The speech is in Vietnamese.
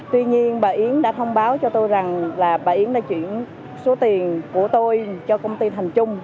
tuy nhiên bà yến đã thông báo cho tôi rằng là bà yến đã chuyển số tiền của tôi cho công ty thành trung